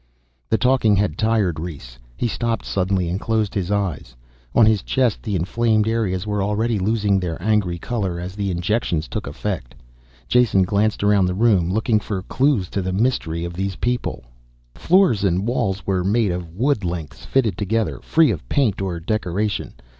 The talking had tired Rhes. He stopped suddenly and closed his eyes. On his chest, the inflamed areas were already losing their angry color as the injections took affect. Jason glanced around the room, looking for clues to the mystery of these people. Floor and walls were made of wood lengths fitted together, free of paint or decoration.